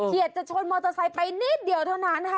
จะชนมอเตอร์ไซค์ไปนิดเดียวเท่านั้นค่ะ